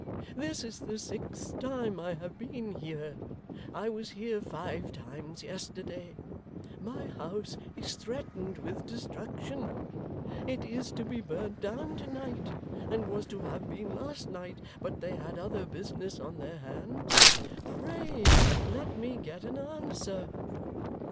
This is the sixth time I have been here. I was here five times yesterday. My house is threatened with destruction. It is to be burned down to night, and was to have been last night, but they had other business on their hands. Pray let me get an answer.